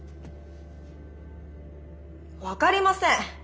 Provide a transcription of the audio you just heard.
分かりません。